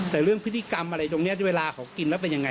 แต่เรื่องพฤติกรรมอะไรตรงนี้เวลาเขากินแล้วเป็นยังไง